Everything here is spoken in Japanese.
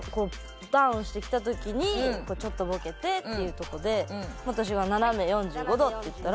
ダウンしてきた時にちょっとボケてっていうとこで私が「ななめ４５°」って言ったら。